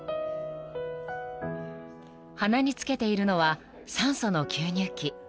［鼻につけているのは酸素の吸入器］